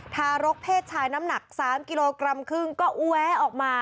ทารกเพศชายน้ำหนัก๓กิโลกรัมครึ่งก็แวะออกมา